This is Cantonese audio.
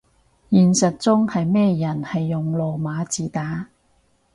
現實中有咩人係用羅馬字打